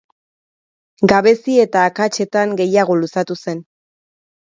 Gabezi eta akatsetan gehiago luzatu zen.